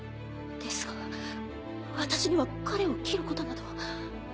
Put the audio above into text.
ですが私には彼を斬ることなど。